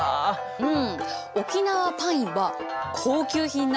うん。